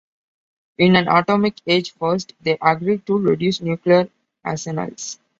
In an Atomic Age first, they agreed to reduce nuclear arsenals.